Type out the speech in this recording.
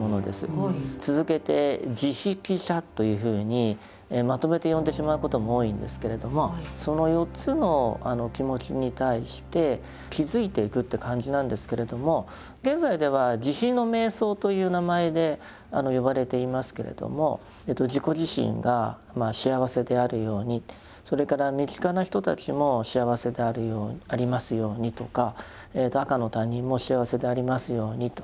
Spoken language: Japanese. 続けて「慈悲喜捨」というふうにまとめて呼んでしまうことも多いんですけれどもその４つの気持ちに対して気づいていくという感じなんですけれども現在では「慈悲の瞑想」という名前で呼ばれていますけれども自己自身が幸せであるようにそれから身近な人たちも幸せでありますようにとか赤の他人も幸せでありますようにと。